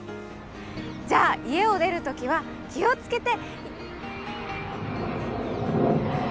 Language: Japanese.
じゃあ家を出る時は気を付けて。